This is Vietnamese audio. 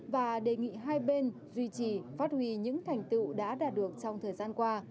và đề nghị hai bên duy trì phát huy những thành tựu đã đạt được trong thời gian qua